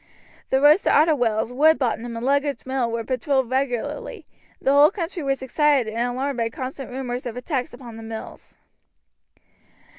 The roads to Ottewells, Woodbottom, and Lugards Mill were patrolled regularly, and the whole country was excited and alarmed by constant rumors of attacks upon the mills.